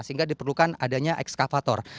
sehingga diperlukan adanya ekskavator